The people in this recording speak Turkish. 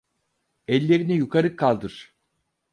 Ellerini yukarı kaldır!